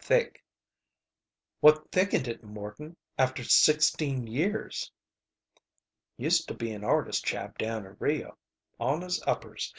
Thick." "What thickened it, Morton after sixteen years?" "Used to be an artist chap down in Rio. On his uppers.